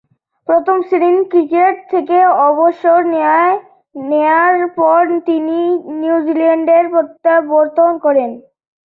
প্রথম-শ্রেণীর ক্রিকেট থেকে অবসর নেয়ার পর তিনি নিউজিল্যান্ডে প্রত্যাবর্তন করেন।